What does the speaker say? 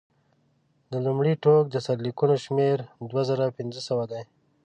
د لومړي ټوک د سرلیکونو شمېر دوه زره پنځه سوه دی.